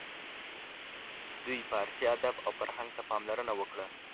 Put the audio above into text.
دوی فارسي ادب او فرهنګ ته پاملرنه وکړه.